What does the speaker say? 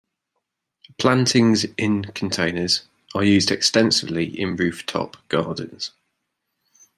Plantings in containers are used extensively in roof top gardens.